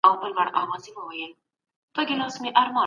دوامدار مطالعه کول د تلپاتې ناپوهۍ څخه په ځلونو ډېره غوره ده.